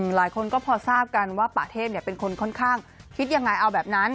หลายคนก็พอทราบกันว่าป่าเทพเป็นคนค่อนข้างคิดยังไงเอาแบบนั้น